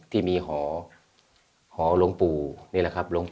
ที่มีหอหลงปู่นั่งออก